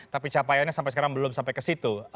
tapi capaiannya sampai sekarang belum sampai ke situ